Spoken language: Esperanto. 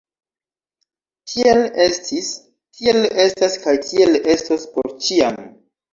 Tiel estis, tiel estas kaj tiel estos por ĉiam!